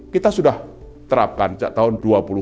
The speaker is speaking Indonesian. kita sudah terapkan sejak tahun dua ribu